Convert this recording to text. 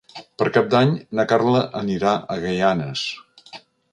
Per Cap d'Any na Carla anirà a Gaianes.